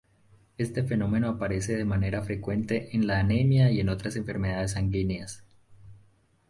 Este fenómeno aparece de manera frecuente en la anemia y en otras enfermedades sanguíneas.